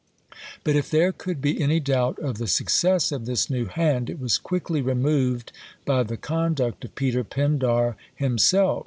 But if there could be any doubt of the success of this new hand, it was quickly removed by the conduct of Peter Pindar himself.